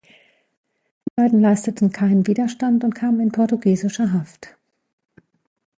Die beiden leisteten keinen Widerstand und kamen in portugiesische Haft.